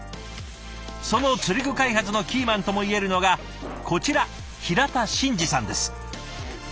その釣り具開発のキーマンともいえるのがこちら平田伸次さんです。